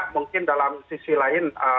mungkin dalam sisi lain